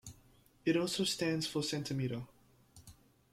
It also stands for centimetre.